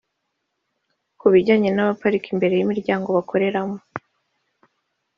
Ku bijyanye n’abaparika imbere y’imiryango bakoreramo